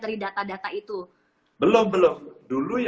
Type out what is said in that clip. jadi mereka bisa cari juga monyet saja